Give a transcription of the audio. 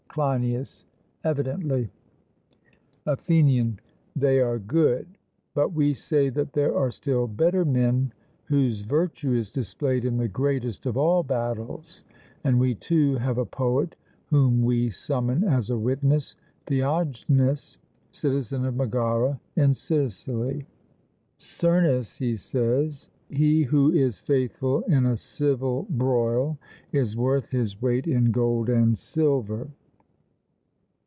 CLEINIAS: Evidently. ATHENIAN: They are good; but we say that there are still better men whose virtue is displayed in the greatest of all battles. And we too have a poet whom we summon as a witness, Theognis, citizen of Megara in Sicily: 'Cyrnus,' he says, 'he who is faithful in a civil broil is worth his weight in gold and silver.'